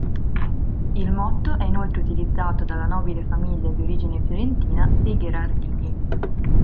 Il motto è inoltre utilizzato dalla nobile famiglia di origine fiorentina dei Gherardini.